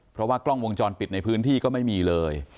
เพราะว่ากล้องวงจรปิดในพื้นที่ก็ไม่มีเลย